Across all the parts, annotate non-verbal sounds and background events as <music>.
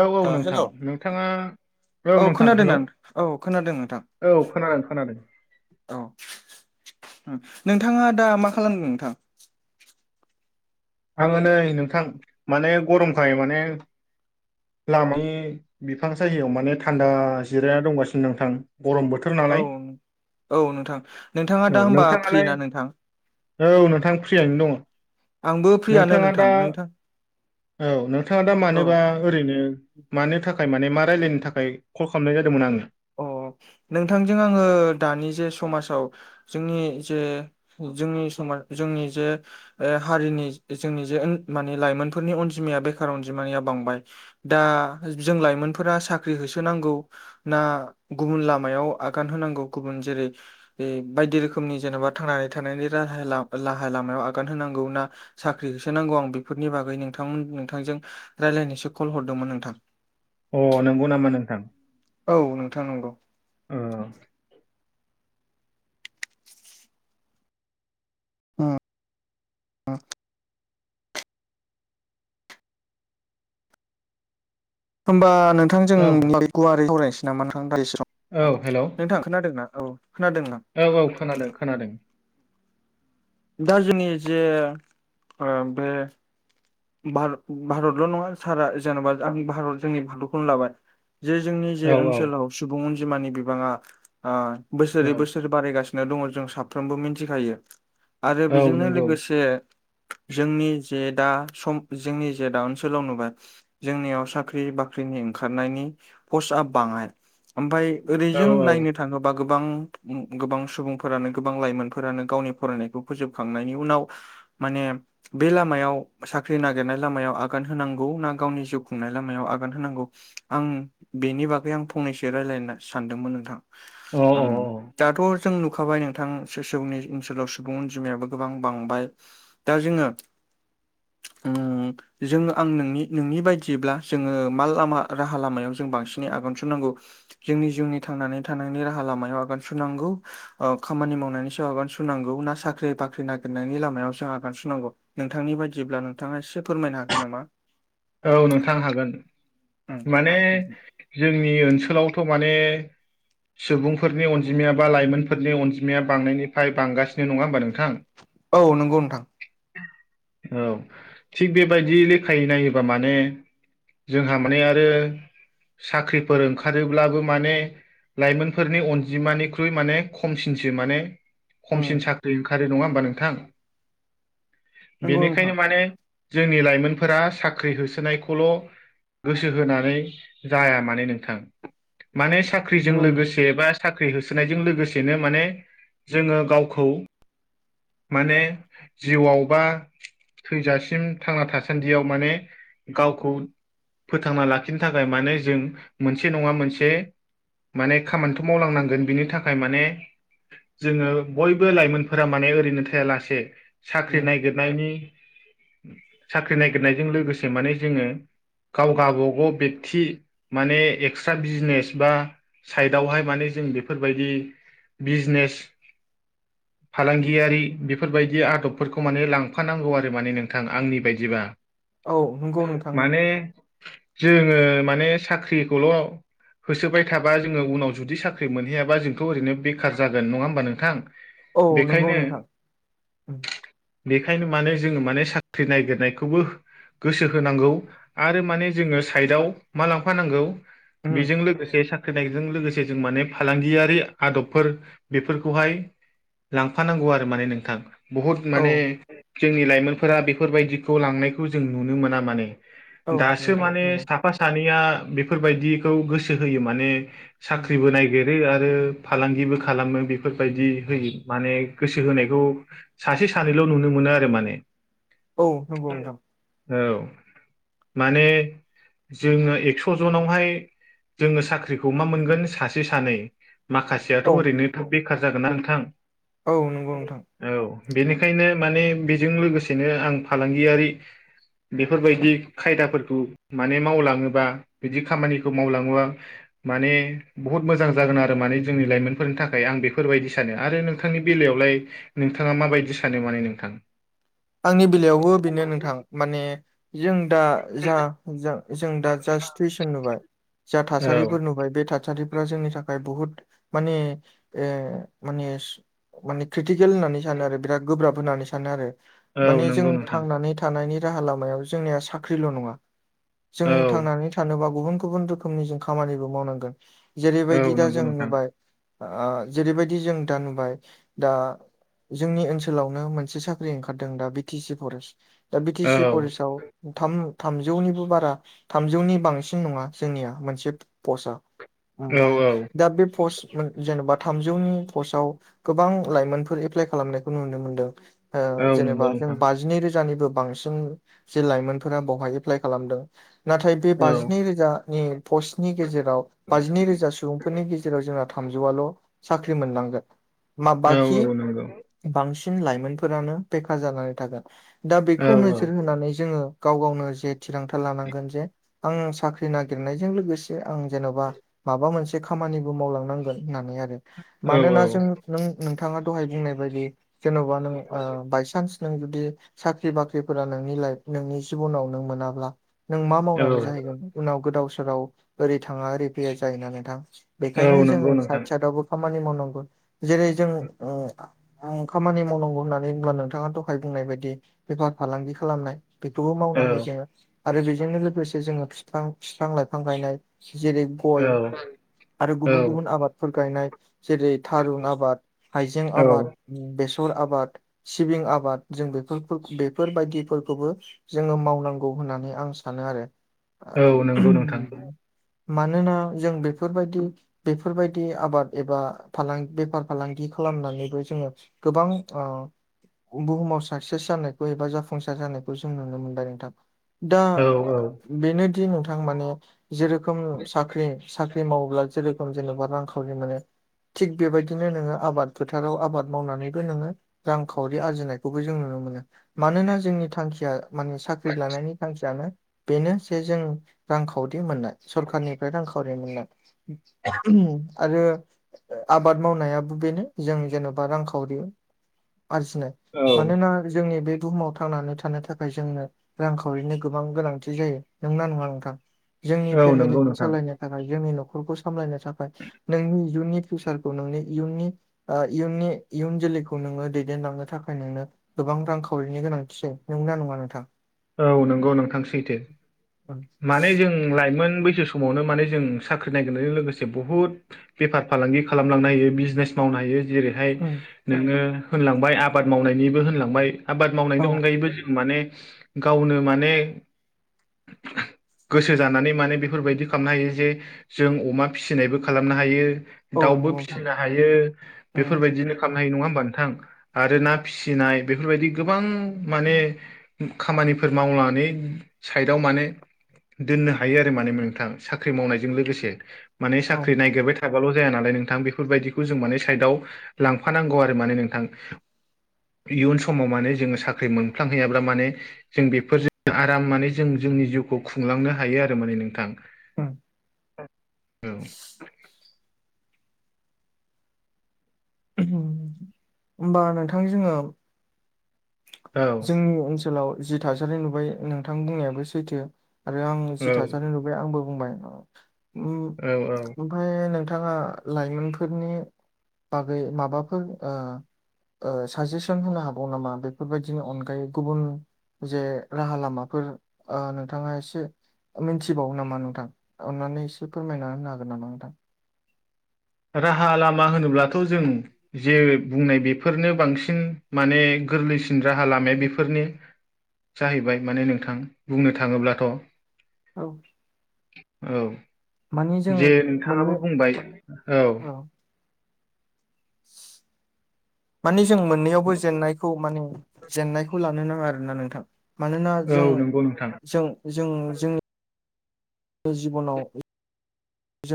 औ औ ओ हेल' नोंथां नोंथाङा औ नोंथां हेलौ खोनादों औ खोनादों नोंथां। औ खोनादों खोनादों औ नोंथाङा दा मा खालामदों नोंथां? आङो नै नोंथां माने गरमखाय माने लामां बिफां सायायाव माने थान्दा जिरायना दंगासिनो नोंथां गरम बोथोर औ नालाय औ नोंथां नोंथाङा औ दा होमबा फ्रि नोंथाङालाय ना नोंथां? औ नोंथां फ्रियानो दङ। आंबो फ्रियानो नोंथाङा दा नोंथां नोंथां औ नोंथाङा दा औ मानोबा ओरैनो मानो थाखाय माने मा रायलायनो थाखाय कल खालामनाय जादोंमोन आङो अ नोंथांजों आङो दानि जे समाजाव जोंनि जे जोंनि समाज जोंनि जे ओ हारिनि जोंनि जे माने लाइमोनफोरनि अनजिमाया बेखार अनजिमानिया बांबाय। दा जों लाइमोनफोरा साख्रि होसोनांगौ। ना गुबुन लामायाव आगान होनांगौ गुबुन जेरै बे बायदि रोखोमनि जेन'बा थांनानै थानायनि राहालाव-राहा लामायाव आगान होनांगौ ना साख्रि होसोनांगौ आं बेफोरनि बागै नोंथांमोन नोंथांजों रायलायनोसो कल हरदोंमोन नोंथां। अ नोंगौ नामा नोंथां? औ नोंथां नंगौ। ओ अ अ होमबा नोंथां जों औ गुवारै सावरायनोसै नामा नोंथां <unintelligible> औ नोंथां खोनादोंना औ खोनादों नोंथां। औ औ खोनादों खोनादों दा जोंनि जे बे भारत भारतल' नङा सारा जेनेबा आंनि भारत जोंनि भत'खौनो लाबाय जे जोंनि औ जे ओनसोलाव सुबुं अनजिमानि बिबाङा बोसोरै औ बोसोर बारायगासिनो दङ जों साफ्रोमबो मिथिखायो आरो औ बेजोंनो नंगौ लोगोसे जोंनि जे दा सम जोंनि जे दा ओनसोलाव नुबाय जोंनियाव साख्रि बाख्रिनि ओंखारनायनि पस्टआ बाङाय ओमफ्राय औ ओरैजों औ नायनो थाङोबा गोबां गोबां सुबुंफोरानो गोबां लाइमोनफोरानो गावनि फरायनायखौ फोजोबखांनायनि उनाव माने बे लामायाव साख्रि नागिरनाय लामायाव आगान होनांगौ ना गावनि जिउ खुंनाय लामायाव आगान होनांगौ आं बेनि बागै आं फंनैसो रायज्लायनो सानदोंमोन नोंथां अ दाथ' जों नुखाबाय नोंथां सोरनि ओनसोलाव सुबुं अनजिमायाबो गोबां बांबाय दा जोङो उम <inaudible> जोङो आं नोंनि नोंनि बायदिब्ला जोङो मा लामा राहा लामायाव जों बांसिनै आगान सुरनांगौ जोंनि जिउनि थांनानै थानायनि राहा लामायाव आगान सुरुनांगौ खामानि मावनायनि सायाव आगान सुरुनांगौ ना साख्रि बाख्रि नागिरनायनि लामायाव जों आगान सुरुनांगौ नोंथांनि बायदिब्ला नोंथाङा एसे फोरमायनो हागोन नामा औ नोंथां हागोन उम माने जोंनि ओनसोलावथ' माने सुबुंफोरनि अनजिमाया बा लाइमोनफोरनि अनजिमाया बांनायनिफ्राय बांगासिनो नङा होमबा नोंथां औ नंगौ नोंथां औ थिग बेबायदि लेखायै नायोबा माने जोंहा माने आरो साख्रिफोर ओंखारोब्लाबो माने लाइमोनफोरनि अनजिमानिख्रुइ माने खमसिनसो माने खमसिन उम साख्रि ओंखारो नङा होमबा नोंथां नंगौ बेनिखायनो नोंथां माने जोंनि लाइमोनफोरा साख्रि साख्रि होसोनायखौल' गोसो होनानै जाया मानो नोंथां माने साख्रिजों नंगौ नोंथां। लोगोसे बा साख्रि होसोनायजों लोगोसेनो माने जोङो गावखौ माने जिउआव बा थैजासिम थांना थासान्दियाव माने गावखौ फोथांना लाखिनो थाखाय माने जों मोनसे नङा मोनसे माने खामानिथ' मावलांनांगोन बिनि थाखाय माने जोङो बयबो लाइमोनफोरा माने ओरैनो थायालासे साख्रि उम नागिरनायनि साख्रि नागिरनायजों लोगोसे माने जोङो गाव गावाबागाव बेकथि माने एक्सट्रा बिजनेस बा साइडआवहाय माने जों बेफोरबायदि बिजनेस फालांगियारि बेफोरबायदि आदबफोरखौ माने लांफानांगौ आरो माने नोंथां आंनि बायदिबा औ नंगौ नोंथां माने जोङो माने साख्रिखौल' होसोबाय थाबा जोङो उनाव जुदि साख्रि मोनहैयाबा जोंथ' ओरैनो बेखार जागोन नङा होमबा नोंथां औ नंगौ बेखायनो नोंथां उम बेखायनो माने जोङो माने साख्रि ननायागिरनायखौबो गोसो होनांगौ आरो माने जोङो साइडआव मा लांफानांगौ उम बेजों लोगोसे स <unintelligible> नायजों लोगोसे जों माने फालांगियारि आदबफोर बेफोरखौहाय लांफानांगौ आरो माने नोंथां बहुद औ माने जोंनि लाइमोनफोरा बेफोरबायदिखौ लांनायखौ जों नुनो मोना माने औ दासो नोंथां माने नंगौ सा सा सानैया बेफोरबायाददिखौ गोसो होयो माने उम साख्रिबो नाय गिरो आरो फालांगिबो खालामो बेफोरबायदि होयो माने गोसो होनायखौ सासे सानैल नुनो मोनो आरो माने औ नंगौ नोंथां औ माने जोङो एक्स जनावहाय जोङो साख्रिखौ मा मोनगोन सासे सानै माखा याथ औ ओरैनो थाब बेखार जागोनना नोंथां औ नंगौ नोंथां औ बेनिखायनो माने बेजों लोगोसेनो आं फालांगियारि बेफोरबायदि खायदाफोरखौ माने मावलाङोबा बिदि खामानिखौ मावलाङोबा माने बहुद मोजां जागोन आरो माने जोंनि लाइमोनफोरनि थाखाय आं बेफोरबायदि सानो आरो नों थांनि बेलायावलाय नोंथाङा मााबायदि सानो माने नोंथां आंनि बेलायावबो बेनो नोंथां माने जों दा जा जों दा जा सिथुवेसन नुबाय जा औ थासारिफोर नुबाय बे था थासारिफ्रा जोंनि थाखाय बुहुद माने ओ माने माने क्रिटिकेल होननानै सानो आरो बिराद गोब्राब होननानै सानो आरो औ माने जों नंगौ नोंथां थांनानै नि रालामायाव जोंनिया साख्रिल नङा जों औ थांनानै थानोब्ला गुबुन गुबुन रोखोमनि जों खामानिबो मावनांगोन औ जेरैबायदि दा नंगौ जों नोंथां नुबाय आ जेरैबायदि जों दा नुबाय दा जोंनि ओनसोलावनो मोनसे साख्रि ओंखारदों दा बि टि सि फरेस्ट दा बि टि औ सि फरेस्टाव थाम थामजौनिबो बारा थामजौनि बांसिन नंङा जोंनिया मोनसे पस्टआ औ ओमफ्राय औ दा बे पस्ट जेनबा थामजौनि पस्टआव गोबां लाइमोनफोर एप्लाइ खालामनायखौ नुनो मोनदों ओ औ जेनेबा नंगौ नों जों बाजिनै रोजानिबो बांसिन जे लाइमोनफोरा बावहाय एप्लाइ खालामदों नाथाय बे औ बाजिनै रोजानि पस्टनि गेजेराव बाजिनै रोजा सुबुं बेफोरनि गेजेराव जोंना थामजौआल साख्रि मोनलांगोन मा औ बाखि औ नंगौ बांसिन लाइमोनफोरानो बेखार जानानै थागोन दा औ बेखौ नोजोर होनानै जोंङो गाव गावनो जे थिरांथा लानांगोन जे आं साख्रि नागिरनायजों लोगोसे आं जेनबा माबा मोनसे खामानिबो मावलांनांगोन होननानै आरो औ मानोना जों नों नोंथांङा दहाय बुंनाय बायदि जेनबा नों बाइ नों जुदि साख्रि बाख्रिफोरा नोंनि लाइफ नोंनि जिबनाव नों मोनाब्ला नों मा मावनानै औ जाहैगोन उनाव गोदाव सोराव ओरै थांङा ओरै फै जायोना नोंथां औ बेखायनो जोंङो नंगौ साइद नोंथां साइदावबो खामानि मावनांगौ जेरै जों खामानि मावनांगौ होननानै बुंब्ला नों नोंथांङा दहाय बुंनाय बायदि बेफार फालांगि खालामनाय बेखौबो औ मावना हायो जोंङो आरो बेजोंनो लोगोसे जोंङो फिफां फिफां लाइफां गायनाय जेरै औ गय आरो गुबुन औ गुबुन आबाद फोर गायनाय जेरै थारुन आबाद हाइजें औ आबाद बेसर आबाद सिबिं आबाद जों बेफोर बेफोरबायदिफोरखौबो जोंङो मावनांगौ होननानै आं सानो आरो औ नंगौ नोंथां मानोना जों बेफोरबायदि बेफोरबायदि आबाद एबा फालां बेफार फालांगि खालामनानैबो जोंङो गोबां ओ बुहुमाव साक्सेस जानायखौ एबा जाफुंसार जानायखौ जों नुनो मोनबाय नोंथां दा औ औ बेनोदि नोंथां माने जेरोखोम साख्रि साख्रि मावोब्ला जेरोखम जेनेबा रां खावरि मोनो थिग बेबायदिनो नोंङो आबाद फोथाराव आबाद मावनानैबो नोंङो रांखावरि आरजिनायखौबो जों नुनो मोनो मानोना जोंनि थांखिया माने साख्रि लानायनि थांखियानो बेनो जे जों रांखावरि मोननाय सरखारनिफ्राय रांखावरि मोननाय। आरो आबाद मावनायाबो बेनो जों जेन'बा रांखावरि आरजिनाय औ मानोना जोंनि बे बुहुमाव' थांनानै थानो थाखाय जोंनो रांखावरिनि गोबां गोनांथि जायो नंगौना नंङा नोंथां जोंनि औ नंगौ फेमिलिखौ नोंथां सालायनो थाखाय जोंनि न'खरखौ सामलायनो थाखाय नोंनि इयुननि फिउचारखौ नोंनि इयुननि ओ इयुननि इयुन जोलैखौ खौ नोंङो दैदेनलांनो थाखाय नोंनो गोबां रांखावरिनि गोनांथिसै नंगौना नंङा नोंथां? औ नंगौ नोंथां सैथो उम माने जों लाइमोन बैसो समावनो माने जों साख्रि नागिरनायजों लोगोसे बहुद बेफार फालांगि खालामलांनो हायो बिजनेस मावनो हायो जेरै। बेहाय नोंङो होनलांबाय आबाद मावनायनिबो होनलांबाय आबाद मावनायनि औ अनगायैबो जों माने गावनो माने गोसो जानानै माने बेफोरबायदि खालामनो हायो जे जों अमा फिसिनायबो खालामनो हायो। औ दाउबो नंगौ नोंथां फिसिनो हायो उम बेफोरबायदिनो खालामनो हायो नंङा होमबा नोंथां? आरो ना फिसिनाय बेफोरबायदि गोबां माने खामानिफोर मावनानै साइडआव माने दोननो हायो आरो माने नोंथां साख्रि मावनायजों लोगोसे माने औ साख्रि नायागिरबाय था बाल' जाया नालाय नोंथां बेफोरबायदिखौ जों माने साइदआव लांफानांगौ आरो माने नोंथां। इयुन समाव माने जोङो साख्रि मोनफ्लांहैयाब्ला माने जों बेफोरजों आराम माने जों जोंनि जिउखौ खुंलांनो हायो आरो माने नोंथां। उम होमबा नोंथां जोंङो औ जोंनि ओनसोलाव जि थासारि नुबाय नोंथां बुंनायाबो सैथो आरो आं जि औ थासारि नुबाय आंबो बुंबाय औ औ ओमफ्राय नोंथांङा लाइमोनफोरनि बागै माबाफोर ओ ओ साजेसन होनो होनो हाबावो नामा बेफोरबायदि बिदिनो अनगायै गुबुन जे राहा लामाफोर ओ नोंथाङा एसे मिथिबावो नामा नोंथां अननानै एसे फोरमायना होनो हागोन नामा नोंथां? राहा लामा होनोब्लाथ' जों जे बुंनाय बेफोरनो बांसिन माने गोरलैसिन राहा लामाया बेफोरनो जाहैबाय माने नोंथां बुंनो थाङोब्लाथ' औ औ माने जों जे मोननै नोंथाङाबो बुंबाय औ <inaudible> माने जों मोननैयावबो जेननायखौ माने जेननायखौ लानो नाङा आरोना नोंथां। मानोना औ जों नंगौ नोंथां जों जों जों जिब'नाव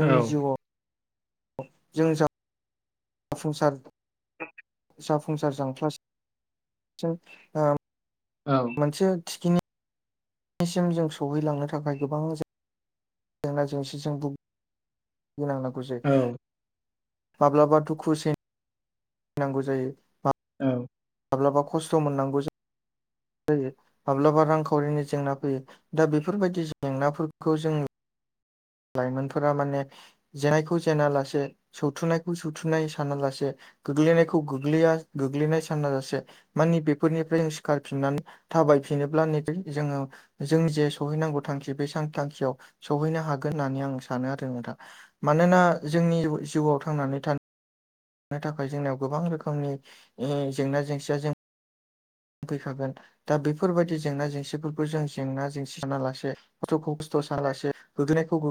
औ जिउआव जों जा जाफुंसार <unintelligible> जाफुंसार जांख्ला जों ओ औ मोनसे थिखिनि सिम जों सहैलांनो थाखाय गोबां जेंना जेंसिजों बुं बुगिनांनांगौ औ जायो माब्लाबा दुखु सैनां गौ जायो। औ माब्लाबा खस्थ' मोननांगौ जायो। जायो माब्लाबा रांखावरिनि जेंना फैयो दा बेफोरबायदि जेंनाफोरखौ जोङो लाइमोनफोरा माने जेनायखौ जेना लासे सौथुनायखौ सौथुननाय सानालासे गोग्लैनायखौ गोग्लैया गोग्लैनाय साना जासे माने बेफोरनिफ्राय जों सिखारफिननानै थाबायफिनोब्ला नेबे जोङो जों जे सौहैनांगौ थांखि बे थांखियाव सहैनो हागोन हागोन होननानै आं सानो आरो नोंथां मानोना जोंनि जिवाव थांनानै थानो नो थाखाय जोंनियाव गोबां रोखोमनि जेंना जेंसिया जों फैखागोन दा बेफोरबायदि जेंना जेंसिफोरखौ जों जेंना जेंसि सानालासे खस्थ'खौ खस्थ' सानलासे गोग्लैनायखौ गोग्लैनाय